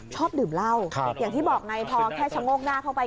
ชอบดื่มเหล้าอย่างที่บอกไงพอแค่ชะโงกหน้าเข้าไป